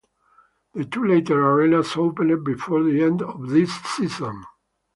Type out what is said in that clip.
The two latter arenas opened before the end of this season.